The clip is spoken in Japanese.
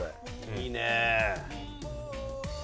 いいね。